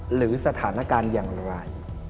หรือสถานการณ์อย่างไร